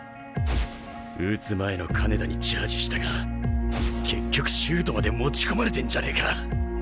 打つ前の金田にチャージしたが結局シュートまで持ち込まれてんじゃねえか！